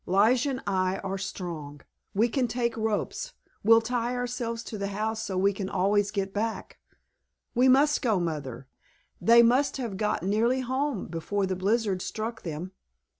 Lige and I are strong—we can take ropes—we'll tie ourselves to the house so we can always get back. We must go, Mother! They must have got nearly home before the blizzard struck them.